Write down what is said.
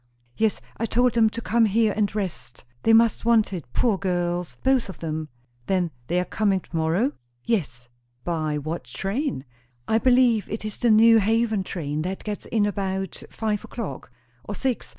"Yes, I told them to come here and rest. They must want it, poor girls, both of them." "Then they are coming to morrow?" "Yes." "By what train?" "I believe, it is the New Haven train that gets in about five o'clock. Or six.